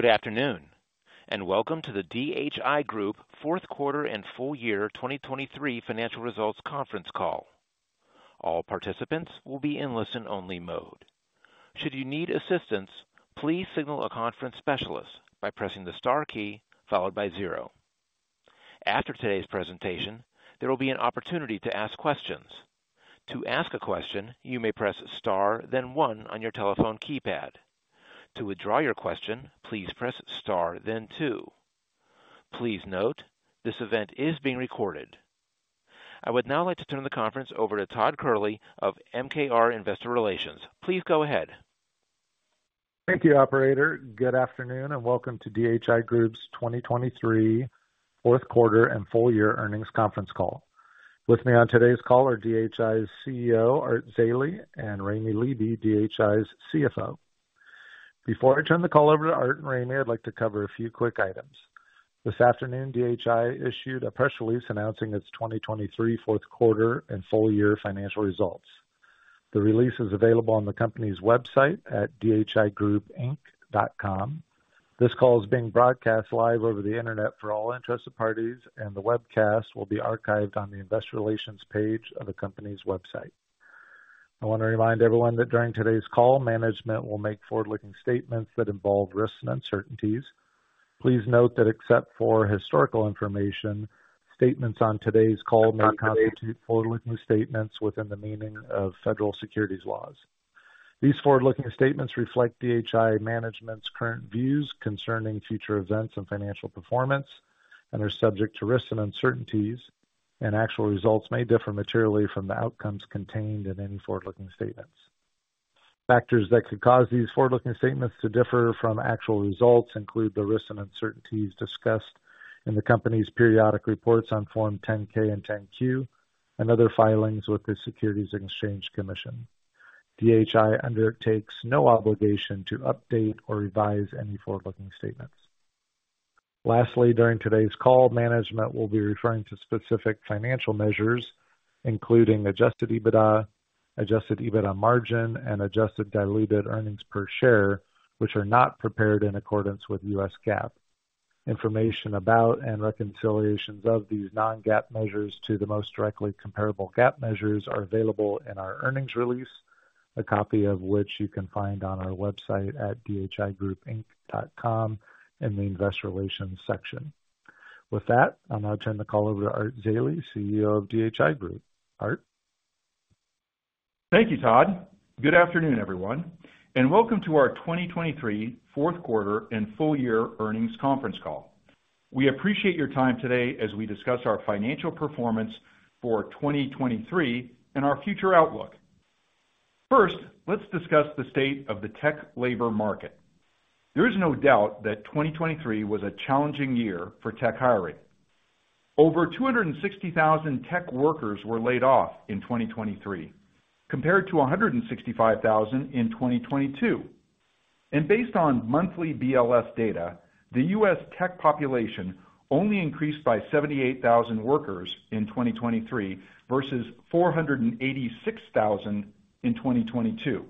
Good afternoon, and welcome to the DHI Group fourth quarter and full year 2023 financial results conference call. All participants will be in listen-only mode. Should you need assistance, please signal a conference specialist by pressing the star key followed by zero. After today's presentation, there will be an opportunity to ask questions. To ask a question, you may press star, then one on your telephone keypad. To withdraw your question, please press star, then two. Please note, this event is being recorded. I would now like to turn the conference over to Todd Kehrli of MKR Investor Relations. Please go ahead. Thank you, operator. Good afternoon, and welcome to DHI Group's 2023 fourth quarter and full year earnings conference call. With me on today's call are DHI's CEO, Art Zeile, and Raime Leeby, DHI's CFO. Before I turn the call over to Art and Raime, I'd like to cover a few quick items. This afternoon, DHI issued a press release announcing its 2023 fourth quarter and full year financial results. The release is available on the company's website at dhigroupinc.com. This call is being broadcast live over the internet for all interested parties, and the webcast will be archived on the investor relations page of the company's website. I want to remind everyone that during today's call, management will make forward-looking statements that involve risks and uncertainties. Please note that except for historical information, statements on today's call may constitute forward-looking statements within the meaning of federal securities laws. These forward-looking statements reflect DHI Management's current views concerning future events and financial performance and are subject to risks and uncertainties, and actual results may differ materially from the outcomes contained in any forward-looking statements. Factors that could cause these forward-looking statements to differ from actual results include the risks and uncertainties discussed in the company's periodic reports on Form 10-K and 10-Q and other filings with the Securities and Exchange Commission. DHI undertakes no obligation to update or revise any forward-looking statements. Lastly, during today's call, management will be referring to specific financial measures, including adjusted EBITDA, adjusted EBITDA Margin, and adjusted diluted earnings per share, which are not prepared in accordance with U.S. GAAP. Information about and reconciliations of these non-GAAP measures to the most directly comparable GAAP measures are available in our earnings release, a copy of which you can find on our website at dhigroupinc.com in the Investor Relations section. With that, I'll now turn the call over to Art Zeile, CEO of DHI Group. Art? Thank you, Todd. Good afternoon, everyone, and welcome to our 2023 fourth quarter and full year earnings conference call. We appreciate your time today as we discuss our financial performance for 2023 and our future outlook. First, let's discuss the state of the tech labor market. There is no doubt that 2023 was a challenging year for tech hiring. Over 260,000 tech workers were laid off in 2023, compared to 165,000 in 2022, and based on monthly BLS data, the U.S. tech population only increased by 78,000 workers in 2023 versus 486,000 in 2022.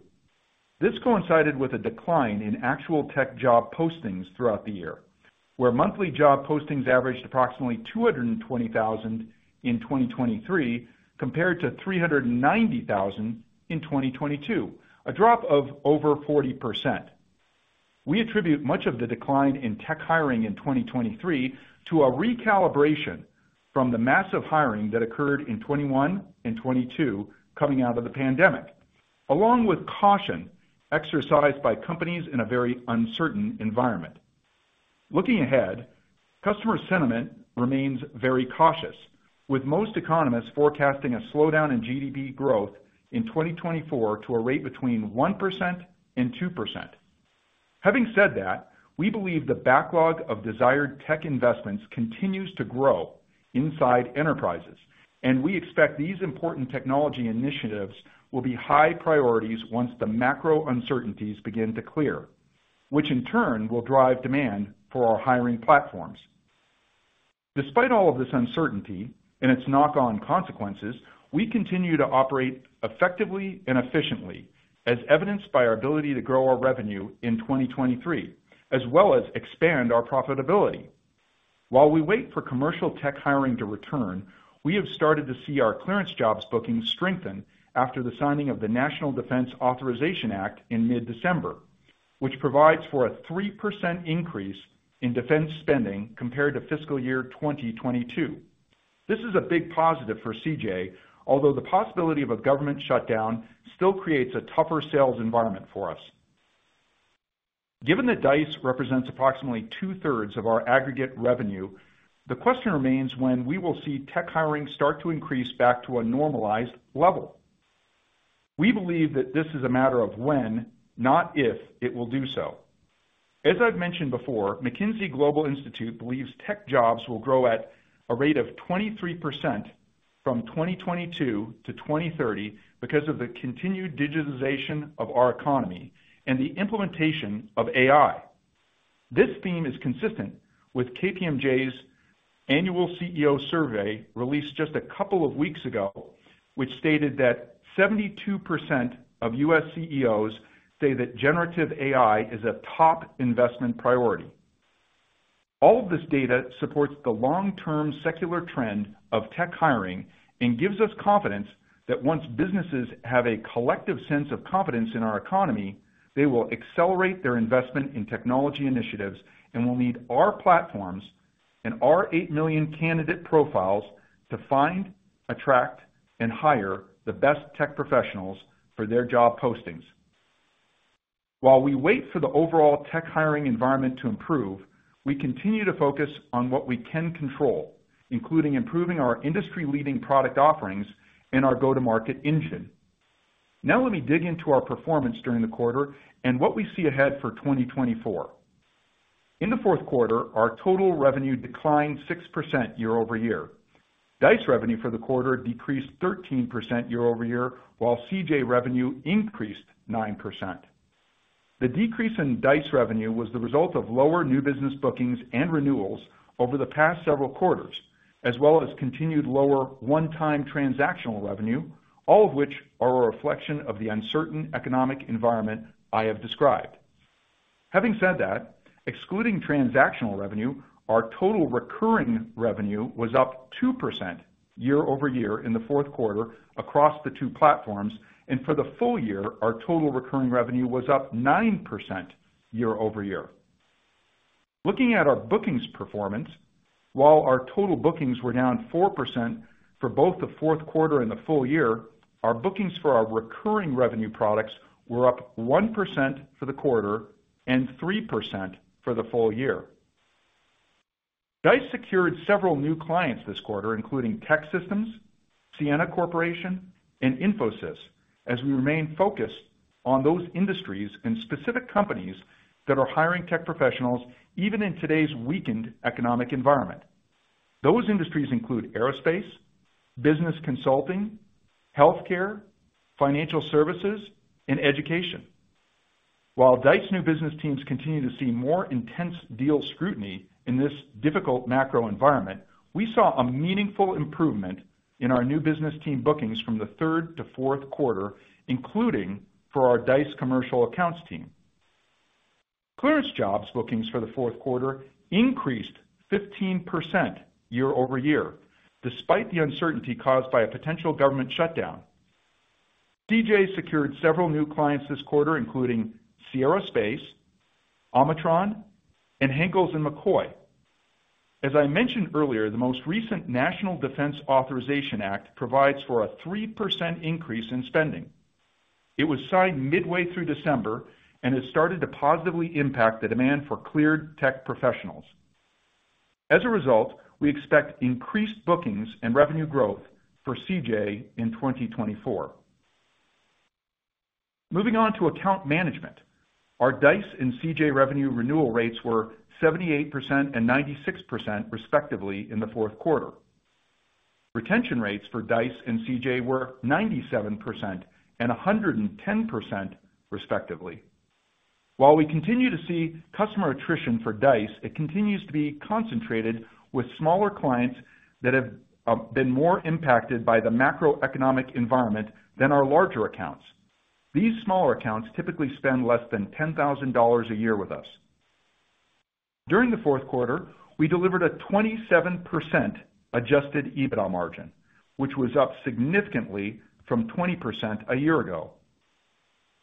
This coincided with a decline in actual tech job postings throughout the year, where monthly job postings averaged approximately 220,000 in 2023, compared to 390,000 in 2022, a drop of over 40%. We attribute much of the decline in tech hiring in 2023 to a recalibration from the massive hiring that occurred in 2021 and 2022 coming out of the pandemic, along with caution exercised by companies in a very uncertain environment. Looking ahead, customer sentiment remains very cautious, with most economists forecasting a slowdown in GDP growth in 2024 to a rate between 1% and 2%. Having said that, we believe the backlog of desired tech investments continues to grow inside enterprises, and we expect these important technology initiatives will be high priorities once the macro uncertainties begin to clear, which in turn will drive demand for our hiring platforms. Despite all of this uncertainty and its knock-on consequences, we continue to operate effectively and efficiently, as evidenced by our ability to grow our revenue in 2023, as well as expand our profitability. While we wait for commercial tech hiring to return, we have started to see our ClearanceJobs bookings strengthen after the signing of the National Defense Authorization Act in mid-December, which provides for a 3% increase in defense spending compared to fiscal year 2022. This is a big positive for CJ, although the possibility of a government shutdown still creates a tougher sales environment for us. Given that Dice represents approximately two-thirds of our aggregate revenue, the question remains when we will see tech hiring start to increase back to a normalized level. We believe that this is a matter of when, not if, it will do so. As I've mentioned before, McKinsey Global Institute believes tech jobs will grow at a rate of 23% from 2022 to 2030 because of the continued digitization of our economy and the implementation of AI. This theme is consistent with KPMG's annual CEO survey released just a couple of weeks ago, which stated that 72% of U.S. CEOs say that generative AI is a top investment priority. All of this data supports the long-term secular trend of tech hiring and gives us confidence that once businesses have a collective sense of confidence in our economy, they will accelerate their investment in technology initiatives and will need our platforms and our 8 million candidate profiles to find, attract, and hire the best tech professionals for their job postings. While we wait for the overall tech hiring environment to improve, we continue to focus on what we can control, including improving our industry-leading product offerings and our go-to-market engine. Now, let me dig into our performance during the quarter and what we see ahead for 2024. In the fourth quarter, our total revenue declined 6% year-over-year. Dice revenue for the quarter decreased 13% year-over-year, while CJ revenue increased 9%. The decrease in Dice revenue was the result of lower new business bookings and renewals over the past several quarters, as well as continued lower one-time transactional revenue, all of which are a reflection of the uncertain economic environment I have described. Having said that, excluding transactional revenue, our total recurring revenue was up 2% year-over-year in the fourth quarter across the two platforms, and for the full year, our total recurring revenue was up 9% year-over-year. Looking at our bookings performance, while our total bookings were down 4% for both the fourth quarter and the full year, our bookings for our recurring revenue products were up 1% for the quarter and 3% for the full year. Dice secured several new clients this quarter, including TEKsystems, Ciena Corporation, and Infosys, as we remain focused on those industries and specific companies that are hiring tech professionals, even in today's weakened economic environment. Those industries include aerospace, business consulting, healthcare, financial services, and education. While Dice new business teams continue to see more intense deal scrutiny in this difficult macro environment, we saw a meaningful improvement in our new business team bookings from the third to fourth quarter, including for our Dice commercial accounts team. ClearanceJobs bookings for the fourth quarter increased 15% year-over-year, despite the uncertainty caused by a potential government shutdown. CJ secured several new clients this quarter, including Sierra Space, Omitron, and Henkels & McCoy. As I mentioned earlier, the most recent National Defense Authorization Act provides for a 3% increase in spending. It was signed midway through December and has started to positively impact the demand for cleared tech professionals. As a result, we expect increased bookings and revenue growth for CJ in 2024. Moving on to account management. Our Dice and CJ revenue renewal rates were 78% and 96%, respectively, in the fourth quarter. Retention rates for Dice and CJ were 97% and 110%, respectively. While we continue to see customer attrition for Dice, it continues to be concentrated with smaller clients that have been more impacted by the macroeconomic environment than our larger accounts. These smaller accounts typically spend less than $10,000 a year with us. During the fourth quarter, we delivered a 27% adjusted EBITDA margin, which was up significantly from 20% a year ago.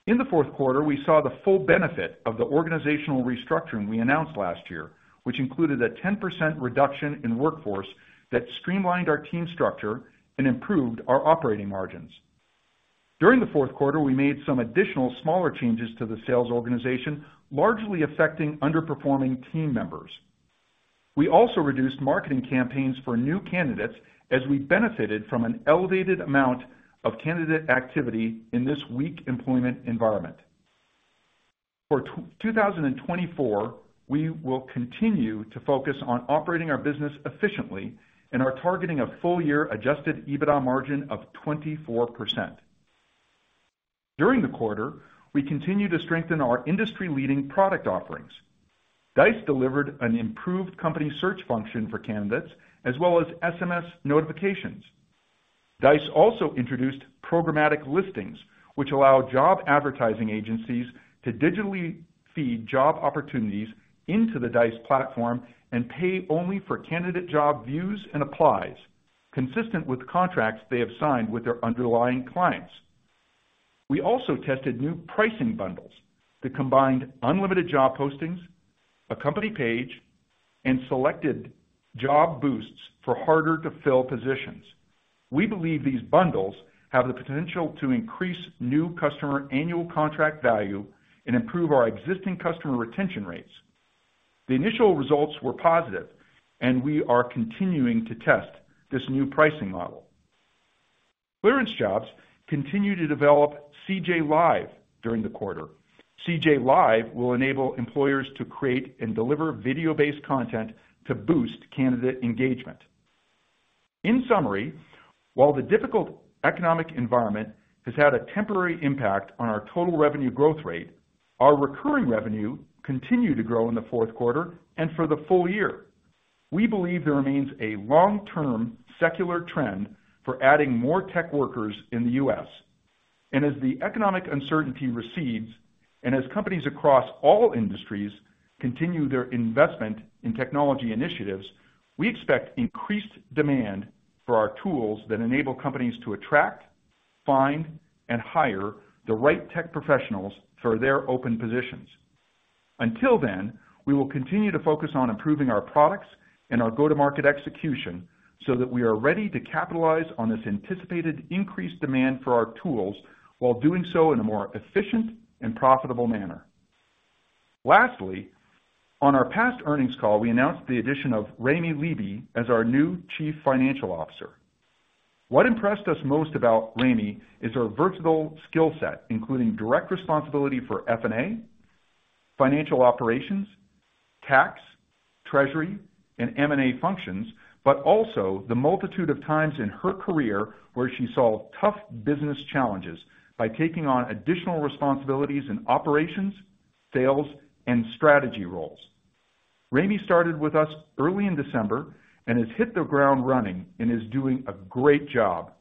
In the fourth quarter, we saw the full benefit of the organizational restructuring we announced last year, which included a 10% reduction in workforce that streamlined our team structure and improved our operating margins. During the fourth quarter, we made some additional smaller changes to the sales organization, largely affecting underperforming team members. We also reduced marketing campaigns for new candidates as we benefited from an elevated amount of candidate activity in this weak employment environment. For 2024, we will continue to focus on operating our business efficiently and are targeting a full year adjusted EBITDA margin of 24%. During the quarter, we continued to strengthen our industry-leading product offerings. Dice delivered an improved company search function for candidates, as well as SMS notifications. Dice also introduced Programmatic Listings, which allow job advertising agencies to digitally feed job opportunities into the Dice platform and pay only for candidate job views and applies, consistent with contracts they have signed with their underlying clients. We also tested new pricing bundles that combined unlimited job postings, a company page, and selected job boosts for harder-to-fill positions. We believe these bundles have the potential to increase new customer annual contract value and improve our existing customer retention rates. The initial results were positive, and we are continuing to test this new pricing model. ClearanceJobs continued to develop CJ Live during the quarter. CJ Live will enable employers to create and deliver video-based content to boost candidate engagement.... In summary, while the difficult economic environment has had a temporary impact on our total revenue growth rate, our recurring revenue continued to grow in the fourth quarter and for the full year. We believe there remains a long-term secular trend for adding more tech workers in the U.S. And as the economic uncertainty recedes, and as companies across all industries continue their investment in technology initiatives, we expect increased demand for our tools that enable companies to attract, find, and hire the right tech professionals for their open positions. Until then, we will continue to focus on improving our products and our go-to-market execution so that we are ready to capitalize on this anticipated increased demand for our tools while doing so in a more efficient and profitable manner. Lastly, on our past earnings call, we announced the addition of Raime Leeby as our new Chief Financial Officer. What impressed us most about Raime is her versatile skill set, including direct responsibility for F&A, financial operations, tax, treasury, and M&A functions, but also the multitude of times in her career where she solved tough business challenges by taking on additional responsibilities in operations, sales, and strategy roles. Raime started with us early in December and has hit the ground running and is doing a great job.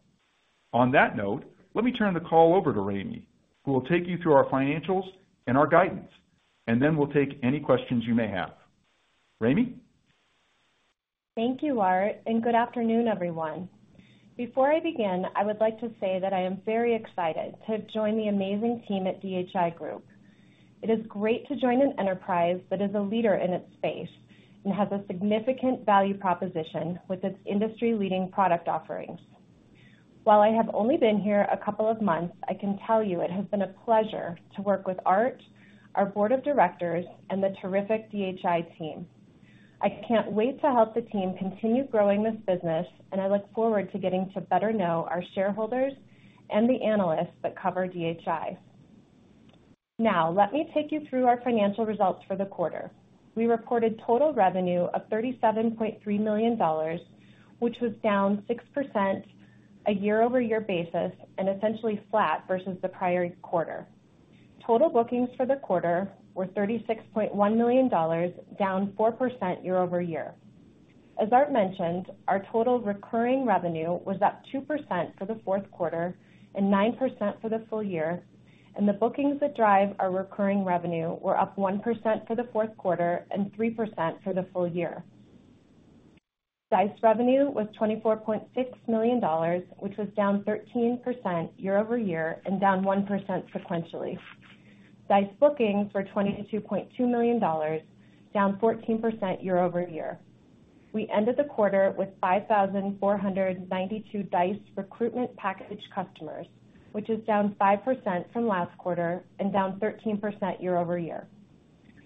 On that note, let me turn the call over to Raime, who will take you through our financials and our guidance, and then we'll take any questions you may have. Raime? Thank you, Art, and good afternoon, everyone. Before I begin, I would like to say that I am very excited to have joined the amazing team at DHI Group. It is great to join an enterprise that is a leader in its space and has a significant value proposition with its industry-leading product offerings. While I have only been here a couple of months, I can tell you it has been a pleasure to work with Art, our board of directors, and the terrific DHI team. I can't wait to help the team continue growing this business, and I look forward to getting to better know our shareholders and the analysts that cover DHI. Now, let me take you through our financial results for the quarter. We reported total revenue of $37.3 million, which was down 6% a year-over-year basis and essentially flat versus the prior quarter. Total bookings for the quarter were $36.1 million, down 4% year-over-year. As Art mentioned, our total recurring revenue was up 2% for the fourth quarter and 9% for the full year, and the bookings that drive our recurring revenue were up 1% for the fourth quarter and 3% for the full year. Dice revenue was $24.6 million, which was down 13% year-over-year and down 1% sequentially. Dice bookings for $22.2 million, down 14% year-over-year. We ended the quarter with 5,492 Dice recruitment package customers, which is down 5% from last quarter and down 13% year-over-year.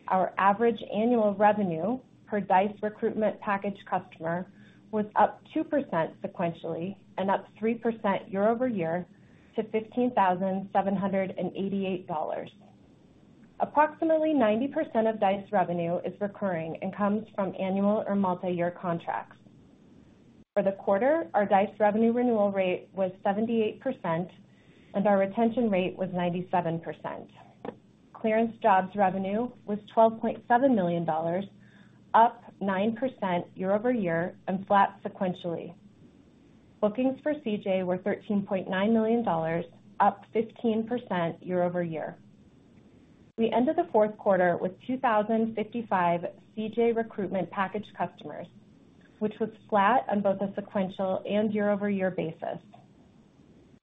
Our average annual revenue per Dice recruitment package customer was up 2% sequentially and up 3% year-over-year to $15,788. Approximately 90% of Dice revenue is recurring and comes from annual or multi-year contracts. For the quarter, our Dice revenue renewal rate was 78% and our retention rate was 97%. ClearanceJobs revenue was $12.7 million, up 9% year-over-year and flat sequentially. Bookings for CJ were $13.9 million, up 15% year-over-year. We ended the fourth quarter with 2,055 CJ recruitment package customers, which was flat on both a sequential and year-over-year basis.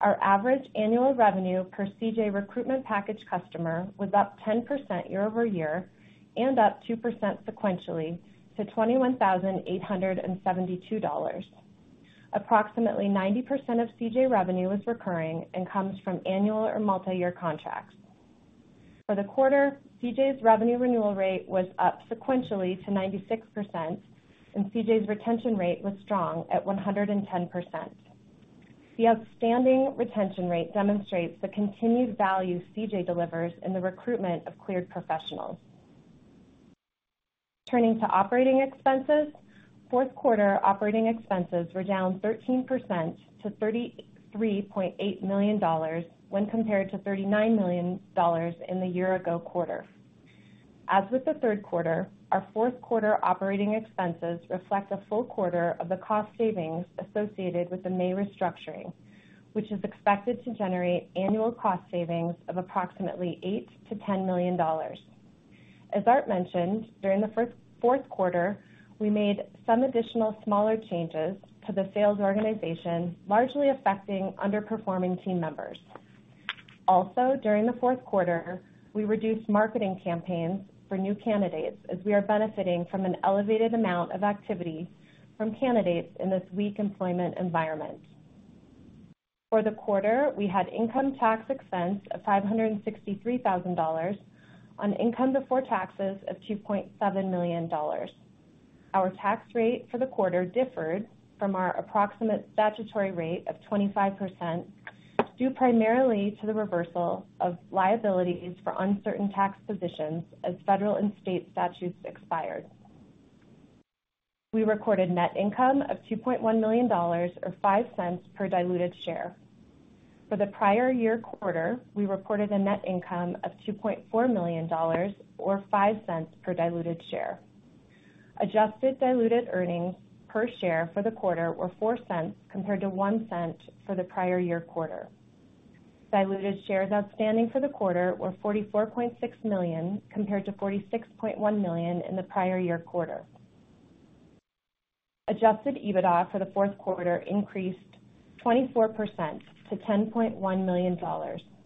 Our average annual revenue per CJ recruitment package customer was up 10% year-over-year and up 2% sequentially to $21,872. Approximately 90% of CJ revenue is recurring and comes from annual or multi-year contracts. For the quarter, CJ's revenue renewal rate was up sequentially to 96%, and CJ's retention rate was strong at 110%. The outstanding retention rate demonstrates the continued value CJ delivers in the recruitment of cleared professionals. Turning to operating expenses. Fourth quarter operating expenses were down 13% to $33.8 million when compared to $39 million in the year ago quarter. As with the third quarter, our fourth quarter operating expenses reflect a full quarter of the cost savings associated with the May restructuring, which is expected to generate annual cost savings of approximately $8 million-$10 million. As Art mentioned, during the fourth quarter, we made some additional smaller changes to the sales organization, largely affecting underperforming team members. Also, during the fourth quarter, we reduced marketing campaigns for new candidates as we are benefiting from an elevated amount of activity from candidates in this weak employment environment. For the quarter, we had income tax expense of $563,000 on income before taxes of $2.7 million. Our tax rate for the quarter differed from our approximate statutory rate of 25%, due primarily to the reversal of liabilities for uncertain tax positions as federal and state statutes expired. We recorded net income of $2.1 million, or $0.05 per diluted share. For the prior year quarter, we reported a net income of $2.4 million, or $0.05 per diluted share. Adjusted diluted earnings per share for the quarter were $0.04, compared to $0.01 for the prior year quarter. Diluted shares outstanding for the quarter were 44.6 million, compared to 46.1 million in the prior year quarter. Adjusted EBITDA for the fourth quarter increased 24% to $10.1 million,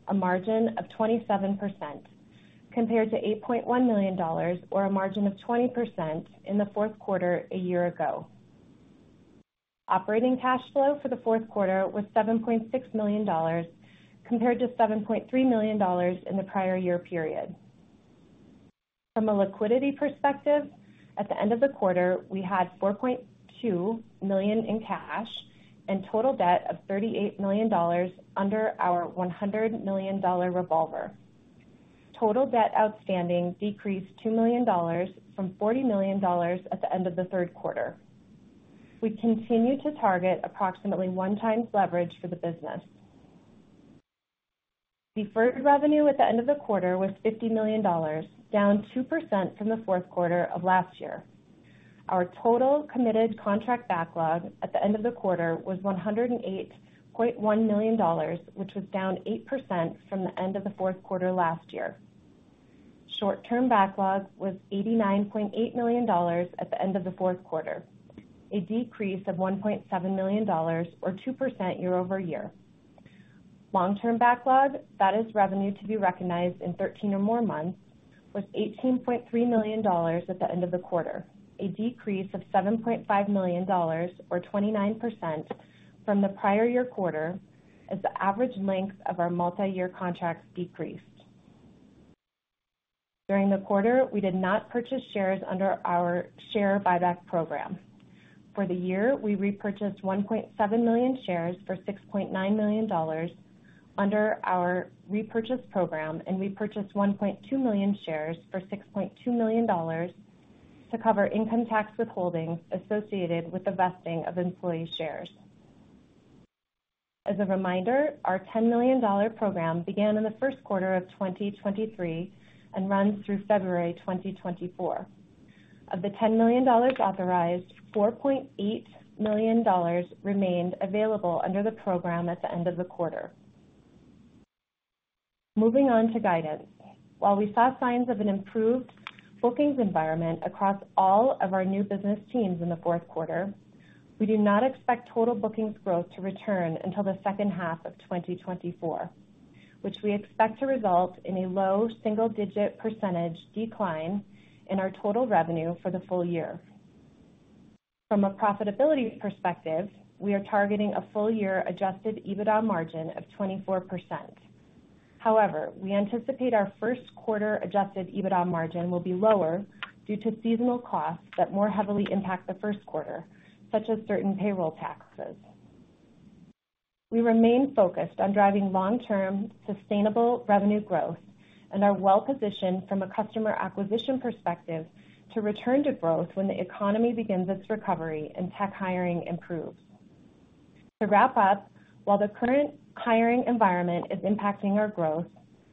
a margin of 27%, compared to $8.1 million or a margin of 20% in the fourth quarter a year ago. Operating cash flow for the fourth quarter was $7.6 million, compared to $7.3 million in the prior year period. From a liquidity perspective, at the end of the quarter, we had $4.2 million in cash and total debt of $38 million under our $100 million revolver. Total debt outstanding decreased $2 million from $40 million at the end of the third quarter. We continue to target approximately 1x leverage for the business. Deferred revenue at the end of the quarter was $50 million, down 2% from the fourth quarter of last year. Our total committed contract backlog at the end of the quarter was $108.1 million, which was down 8% from the end of the fourth quarter last year. Short-term backlog was $89.8 million at the end of the fourth quarter, a decrease of $1.7 million, or 2% year-over-year. Long-term backlog, that is revenue to be recognized in 13 or more months, was $18.3 million at the end of the quarter, a decrease of $7.5 million, or 29%, from the prior year quarter, as the average length of our multiyear contracts decreased. During the quarter, we did not purchase shares under our share buyback program. For the year, we repurchased 1.7 million shares for $6.9 million under our repurchase program, and we purchased 1.2 million shares for $6.2 million to cover income tax withholdings associated with the vesting of employee shares. As a reminder, our $10 million program began in the first quarter of 2023 and runs through February 2024. Of the $10 million authorized, $4.8 million remained available under the program at the end of the quarter. Moving on to guidance. While we saw signs of an improved bookings environment across all of our new business teams in the fourth quarter, we do not expect total bookings growth to return until the second half of 2024, which we expect to result in a low single-digit percentage decline in our total revenue for the full year. From a profitability perspective, we are targeting a full year adjusted EBITDA margin of 24%. However, we anticipate our first quarter adjusted EBITDA margin will be lower due to seasonal costs that more heavily impact the first quarter, such as certain payroll taxes. We remain focused on driving long-term, sustainable revenue growth and are well positioned from a customer acquisition perspective to return to growth when the economy begins its recovery and tech hiring improves. To wrap up, while the current hiring environment is impacting our growth,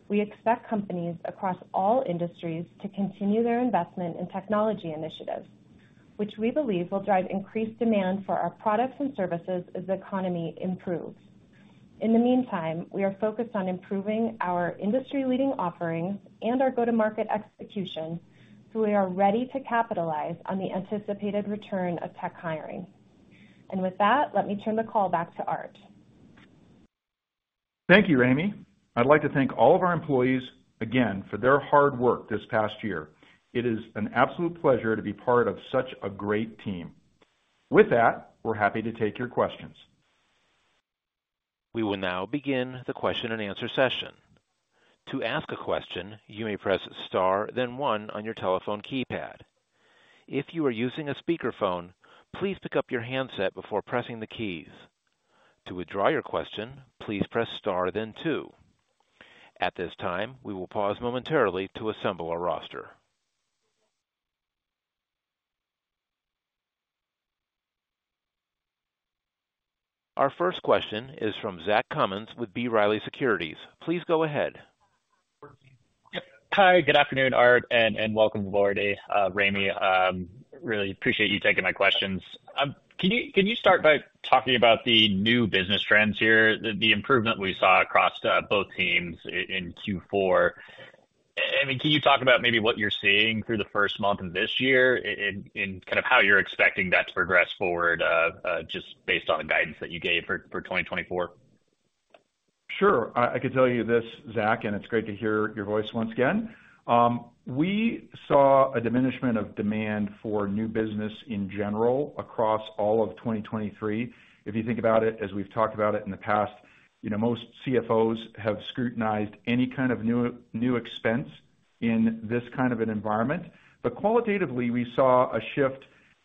we expect companies across all industries to continue their investment in technology initiatives, which we believe will drive increased demand for our products and services as the economy improves. In the meantime, we are focused on improving our industry-leading offerings and our go-to-market execution, so we are ready to capitalize on the anticipated return of tech hiring. With that, let me turn the call back to Art. Thank you, Raime. I'd like to thank all of our employees again for their hard work this past year. It is an absolute pleasure to be part of such a great team. With that, we're happy to take your questions. We will now begin the question-and-answer session. To ask a question, you may press Star, then one on your telephone keypad. If you are using a speakerphone, please pick up your handset before pressing the keys. To withdraw your question, please press Star, then two. At this time, we will pause momentarily to assemble our roster. Our first question is from Zach Cummins with B. Riley Securities. Please go ahead. Yep. Hi, good afternoon, Art, and welcome aboard, Raime. Really appreciate you taking my questions. Can you start by talking about the new business trends here, the improvement we saw across both teams in Q4? And can you talk about maybe what you're seeing through the first month of this year and kind of how you're expecting that to progress forward, just based on the guidance that you gave for 2024? Sure. I can tell you this, Zach, and it's great to hear your voice once again. We saw a diminishment of demand for new business in general across all of 2023. If you think about it, as we've talked about it in the past, you know, most CFOs have scrutinized any kind of new expense in this kind of an environment. But qualitatively, we saw a shift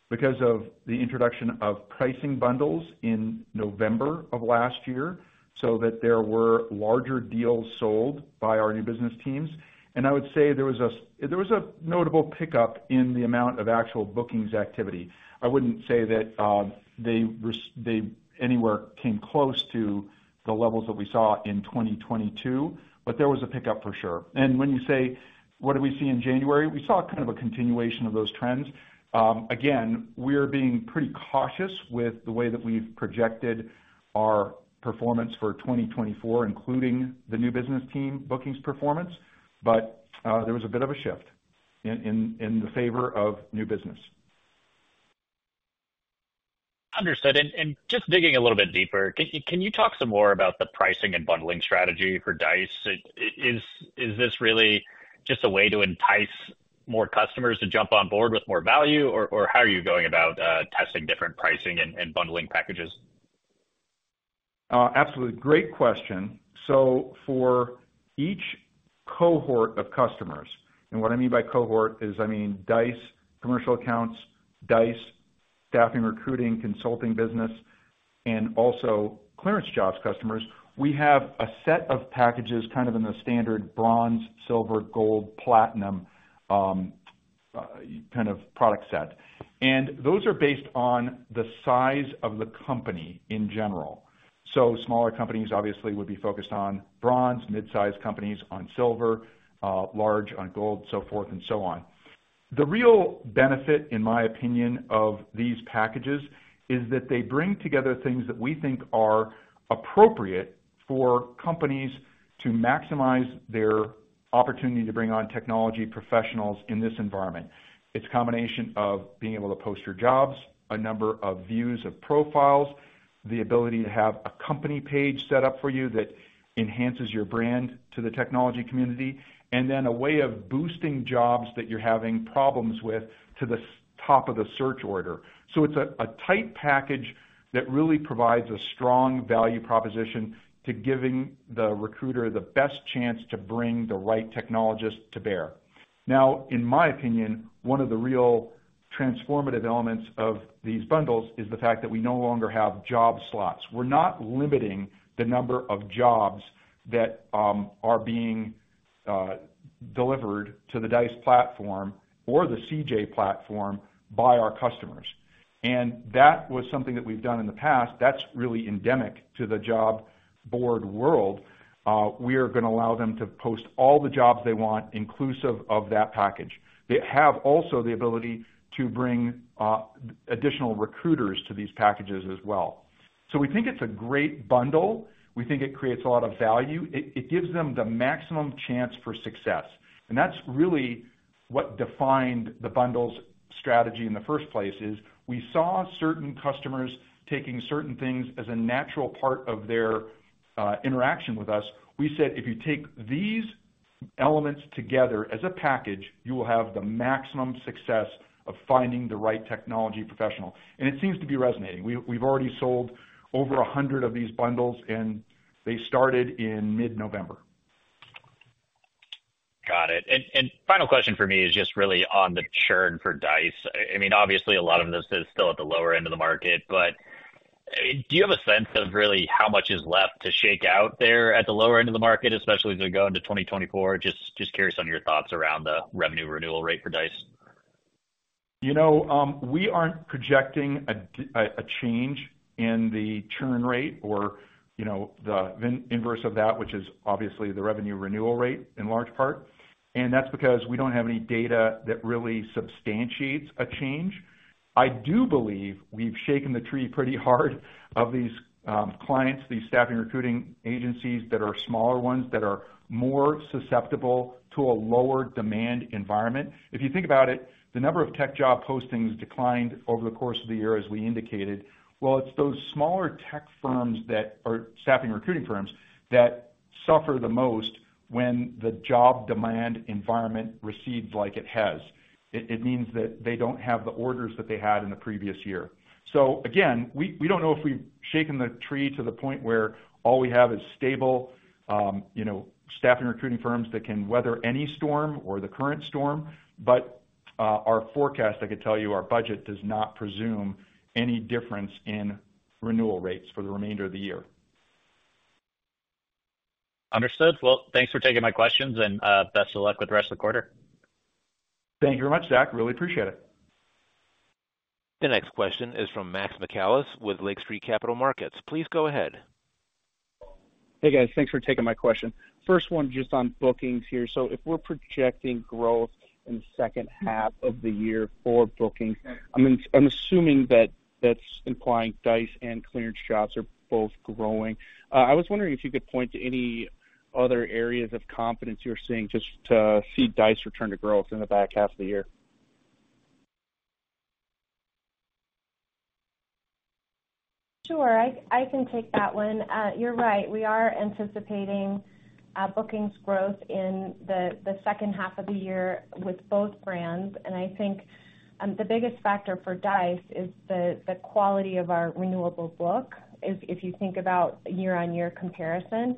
because of the introduction of pricing bundles in November of last year, so that there were larger deals sold by our new business teams. And I would say there was a notable pickup in the amount of actual bookings activity. I wouldn't say that they anywhere came close to the levels that we saw in 2022, but there was a pickup for sure. When you say, what did we see in January? We saw kind of a continuation of those trends. Again, we're being pretty cautious with the way that we've projected our performance for 2024, including the new business team bookings performance. But, there was a bit of a shift in the favor of new business. Understood. And just digging a little bit deeper, can you talk some more about the pricing and bundling strategy for Dice? Is this really just a way to entice more customers to jump on board with more value? Or how are you going about testing different pricing and bundling packages? Absolutely. Great question. So for each cohort of customers, and what I mean by cohort is, I mean Dice commercial accounts, Dice staffing, recruiting, consulting business, and also ClearanceJobs customers. We have a set of packages, kind of in the standard bronze, silver, gold, platinum, kind of product set. And those are based on the size of the company in general. So smaller companies obviously would be focused on bronze, mid-size companies on silver, large on gold, so forth and so on. The real benefit, in my opinion, of these packages, is that they bring together things that we think are appropriate for companies to maximize their opportunity to bring on technology professionals in this environment. It's a combination of being able to post your jobs, a number of views of profiles, the ability to have a company page set up for you that enhances your brand to the technology community, and then a way of boosting jobs that you're having problems with to the top of the search order. So it's a tight package that really provides a strong value proposition to giving the recruiter the best chance to bring the right technologist to bear. Now, in my opinion, one of the real transformative elements of these bundles is the fact that we no longer have job slots. We're not limiting the number of jobs that are being delivered to the Dice platform or the CJ platform by our customers. That was something that we've done in the past that's really endemic to the job board world. We are going to allow them to post all the jobs they want, inclusive of that package. They have also the ability to bring additional recruiters to these packages as well. So we think it's a great bundle. We think it creates a lot of value. It gives them the maximum chance for success. And that's really what defined the bundles strategy in the first place, is we saw certain customers taking certain things as a natural part of their interaction with us. We said, "If you take these elements together as a package, you will have the maximum success of finding the right technology professional." And it seems to be resonating. We've already sold over 100 of these bundles, and they started in mid-November. Got it. And final question for me is just really on the churn for Dice. I mean, obviously, a lot of this is still at the lower end of the market, but, I mean, do you have a sense of really how much is left to shake out there at the lower end of the market, especially as we go into 2024? Just curious on your thoughts around the revenue renewal rate for Dice. You know, we aren't projecting a change in the churn rate or, you know, the inverse of that, which is obviously the revenue renewal rate, in large part, and that's because we don't have any data that really substantiates a change. I do believe we've shaken the tree pretty hard of these clients, these staffing recruiting agencies that are smaller ones, that are more susceptible to a lower demand environment. If you think about it, the number of tech job postings declined over the course of the year, as we indicated. Well, it's those smaller tech firms that or staffing recruiting firms, that suffer the most when the job demand environment recedes like it has. It means that they don't have the orders that they had in the previous year. So again, we don't know if we've shaken the tree to the point where all we have is stable, you know, staffing recruiting firms that can weather any storm or the current storm. But, our forecast, I could tell you, our budget does not presume any difference in renewal rates for the remainder of the year. Understood. Well, thanks for taking my questions, and best of luck with the rest of the quarter. Thank you very much, Zach. Really appreciate it. The next question is from Max Michaelis with Lake Street Capital Markets. Please go ahead. Hey, guys. Thanks for taking my question. First one, just on bookings here. So if we're projecting growth in the second half of the year for bookings, I'm assuming that that's implying Dice and ClearanceJobs are both growing. I was wondering if you could point to any other areas of confidence you're seeing just to see Dice return to growth in the back half of the year?... Sure, I can take that one. You're right, we are anticipating bookings growth in the second half of the year with both brands. And I think the biggest factor for Dice is the quality of our renewable book. If you think about year-on-year comparison,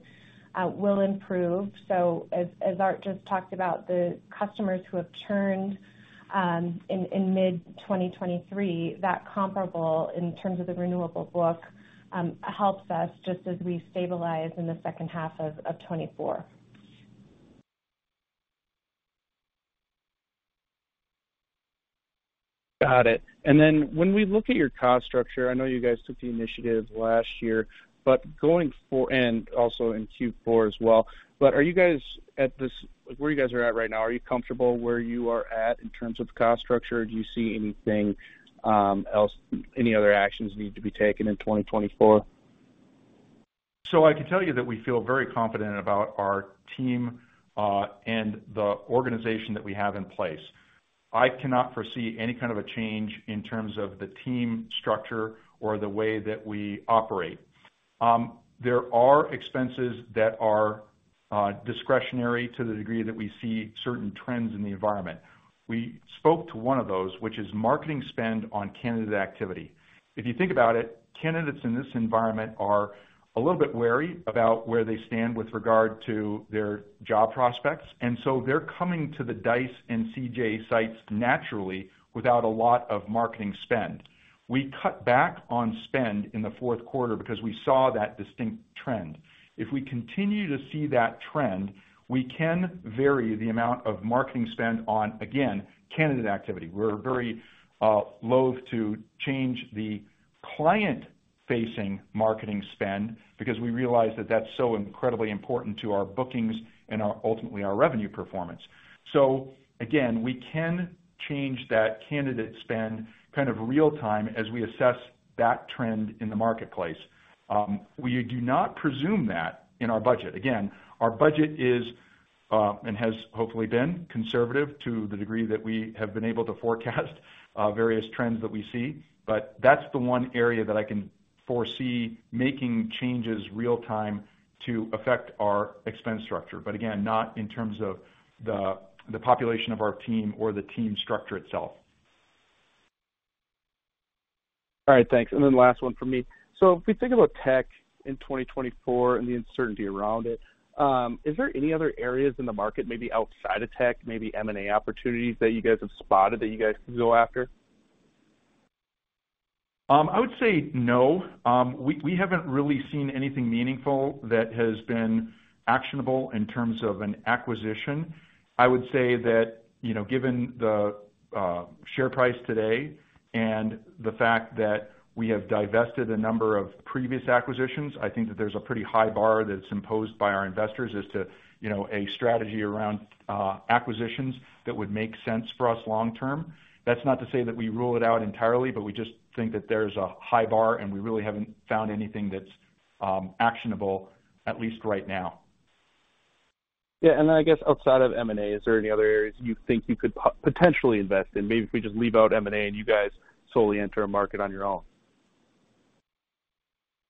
will improve. So as Art just talked about, the customers who have churned in mid-2023, that comparable in terms of the renewable book helps us just as we stabilize in the second half of 2024. Got it. And then when we look at your cost structure, I know you guys took the initiative last year, but going forward and also in Q4 as well. But are you guys at this point where you guys are at right now, are you comfortable where you are at in terms of cost structure, or do you see anything else, any other actions need to be taken in 2024? So I can tell you that we feel very confident about our team, and the organization that we have in place. I cannot foresee any kind of a change in terms of the team structure or the way that we operate. There are expenses that are discretionary to the degree that we see certain trends in the environment. We spoke to one of those, which is marketing spend on candidate activity. If you think about it, candidates in this environment are a little bit wary about where they stand with regard to their job prospects, and so they're coming to the Dice and CJ sites naturally, without a lot of marketing spend. We cut back on spend in the fourth quarter because we saw that distinct trend. If we continue to see that trend, we can vary the amount of marketing spend on, again, candidate activity. We're very loathe to change the client-facing marketing spend, because we realize that that's so incredibly important to our bookings and ultimately, our revenue performance. So again, we can change that candidate spend kind of real time as we assess that trend in the marketplace. We do not presume that in our budget. Again, our budget is and has hopefully been conservative to the degree that we have been able to forecast various trends that we see. But that's the one area that I can foresee making changes real time to affect our expense structure, but again, not in terms of the population of our team or the team structure itself. All right, thanks. Then last one from me. If we think about tech in 2024 and the uncertainty around it, is there any other areas in the market, maybe outside of tech, maybe M&A opportunities that you guys have spotted, that you guys can go after? I would say no. We haven't really seen anything meaningful that has been actionable in terms of an acquisition. I would say that, you know, given the share price today and the fact that we have divested a number of previous acquisitions, I think that there's a pretty high bar that's imposed by our investors as to, you know, a strategy around acquisitions that would make sense for us long term. That's not to say that we rule it out entirely, but we just think that there's a high bar, and we really haven't found anything that's actionable, at least right now. Yeah, and then I guess outside of M&A, is there any other areas you think you could potentially invest in? Maybe if we just leave out M&A, and you guys solely enter a market on your own.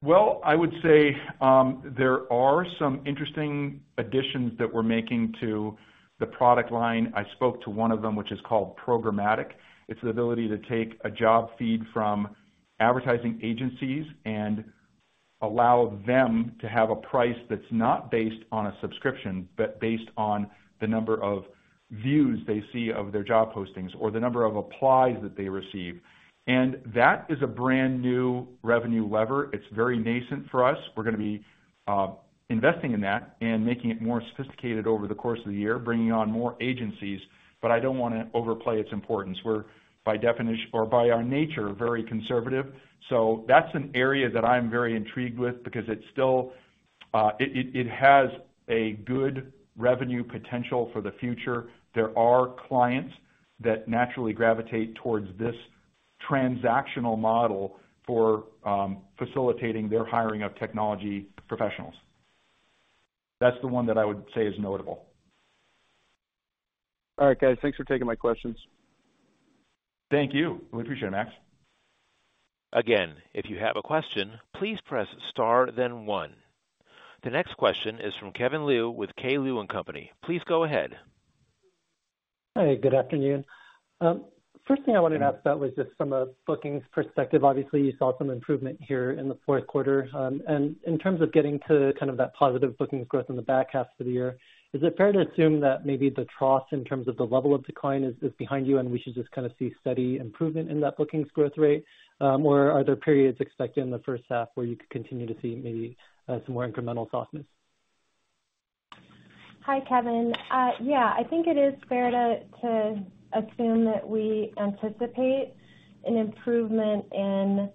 Well, I would say, there are some interesting additions that we're making to the product line. I spoke to one of them, which is called Programmatic. It's the ability to take a job feed from advertising agencies and allow them to have a price that's not based on a subscription, but based on the number of views they see of their job postings or the number of applies that they receive. And that is a brand-new revenue lever. It's very nascent for us. We're going to be investing in that and making it more sophisticated over the course of the year, bringing on more agencies. But I don't want to overplay its importance. We're, or by our nature, very conservative. So that's an area that I'm very intrigued with because it's still, it has a good revenue potential for the future. There are clients that naturally gravitate towards this transactional model for facilitating their hiring of technology professionals. That's the one that I would say is notable. All right, guys. Thanks for taking my questions. Thank you. We appreciate it, Max. Again, if you have a question, please press star, then one. The next question is from Kevin Liu with K. Liu & Company. Please go ahead. Hi, good afternoon. First thing I wanted to ask about was just from a bookings perspective. Obviously, you saw some improvement here in the fourth quarter. And in terms of getting to kind of that positive bookings growth in the back half of the year, is it fair to assume that maybe the trough in terms of the level of decline is behind you, and we should just kind of see steady improvement in that bookings growth rate? Or are there periods expected in the first half where you could continue to see maybe some more incremental softness? Hi, Kevin. Yeah, I think it is fair to assume that we anticipate an improvement in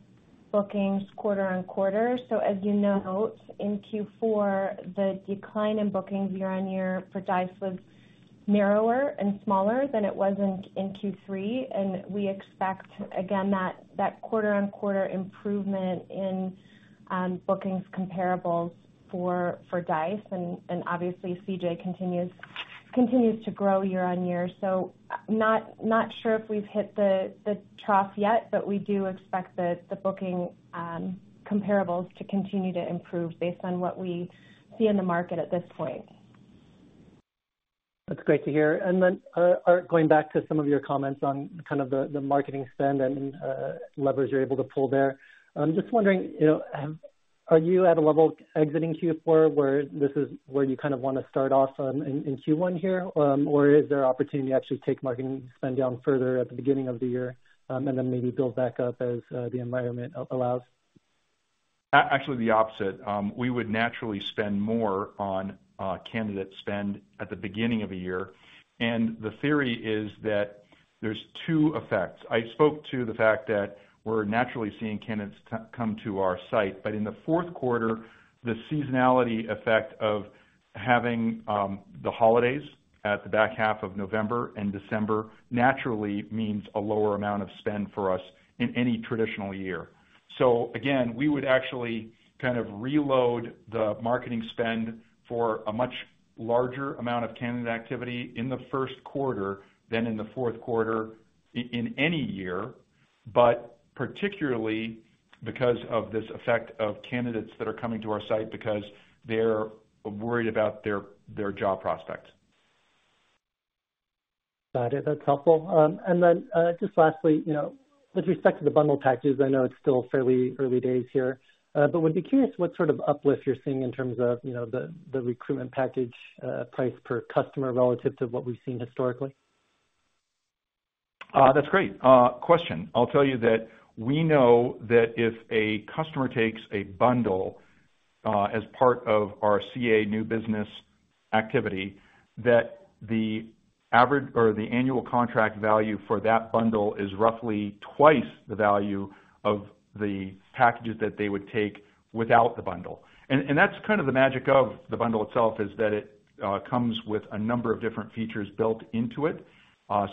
bookings quarter-on-quarter. So as you know, in Q4, the decline in bookings year-on-year for Dice was narrower and smaller than it was in Q3, and we expect, again, that quarter-on-quarter improvement in bookings comparables for Dice and obviously, CJ continues to grow year-on-year. So not sure if we've hit the trough yet, but we do expect that the booking comparables to continue to improve based on what we see in the market at this point. That's great to hear. And then, going back to some of your comments on kind of the marketing spend and levers you're able to pull there. I'm just wondering, you know, are you at a level exiting Q4, where this is where you kind of want to start off on in Q1 here? Or is there opportunity to actually take marketing spend down further at the beginning of the year, and then maybe build back up as the environment allows? Actually, the opposite. We would naturally spend more on candidate spend at the beginning of a year. The theory is that there's two effects. I spoke to the fact that we're naturally seeing candidates come to our site, but in the fourth quarter, the seasonality effect of having the holidays at the back half of November and December naturally means a lower amount of spend for us in any traditional year. So again, we would actually kind of reload the marketing spend for a much larger amount of candidate activity in the first quarter than in the fourth quarter in any year, but particularly because of this effect of candidates that are coming to our site because they're worried about their job prospects. Got it. That's helpful. And then, just lastly, you know, with respect to the bundle packages, I know it's still fairly early days here, but would be curious what sort of uplift you're seeing in terms of, you know, the recruitment package, price per customer relative to what we've seen historically. That's great question. I'll tell you that we know that if a customer takes a bundle, as part of our CA new business activity, that the average or the annual contract value for that bundle is roughly twice the value of the packages that they would take without the bundle. And that's kind of the magic of the bundle itself, is that it comes with a number of different features built into it.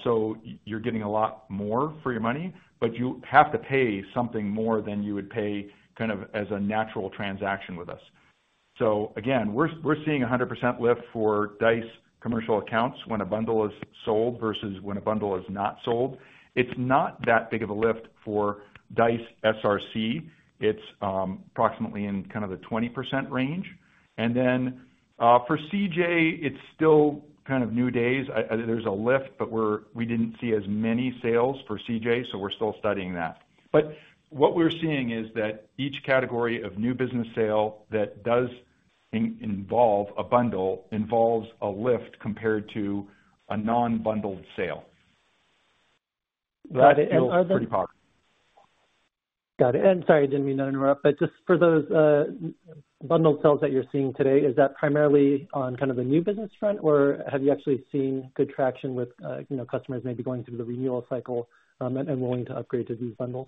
So you're getting a lot more for your money, but you have to pay something more than you would pay kind of as a natural transaction with us. So again, we're seeing 100% lift for Dice commercial accounts when a bundle is sold versus when a bundle is not sold. It's not that big of a lift for Dice SRC. It's approximately in kind of the 20% range. And then for CJ, it's still kind of new days. There's a lift, but we didn't see as many sales for CJ, so we're still studying that. But what we're seeing is that each category of new business sale that does involve a bundle involves a lift compared to a non-bundled sale. Got it. It's pretty powerful. Got it. And sorry, I didn't mean to interrupt, but just for those bundled sales that you're seeing today, is that primarily on kind of the new business front, or have you actually seen good traction with you know, customers maybe going through the renewal cycle, and willing to upgrade to these bundles?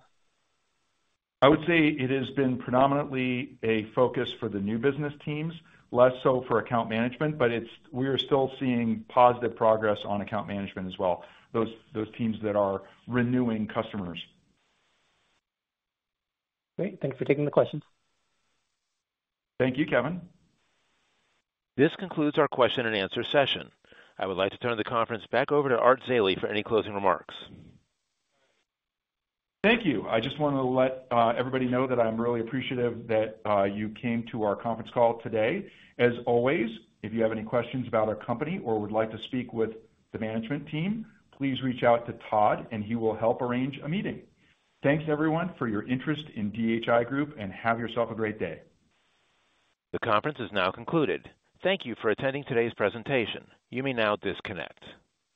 I would say it has been predominantly a focus for the new business teams, less so for account management, but it's, we are still seeing positive progress on account management as well, those teams that are renewing customers. Great. Thank you for taking the question. Thank you, Kevin. This concludes our question and answer session. I would like to turn the conference back over to Art Zeile for any closing remarks. Thank you. I just wanted to let everybody know that I'm really appreciative that you came to our conference call today. As always, if you have any questions about our company or would like to speak with the management team, please reach out to Todd and he will help arrange a meeting. Thanks everyone for your interest in DHI Group, and have yourself a great day. The conference is now concluded. Thank you for attending today's presentation. You may now disconnect.